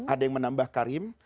ada yang menambah karim